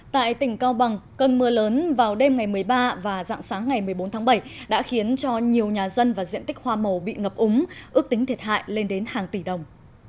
tại tỉnh cao bằng cơn mưa lớn vào đêm ngày một mươi ba và dạng sáng ngày một mươi bốn tháng bảy đã khiến cho nhiều nhà dân và diện tích hoa màu bị ngập úng ước tính thiệt hại lên đến hàng tỷ đồng